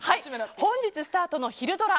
本日スタートのひるドラ！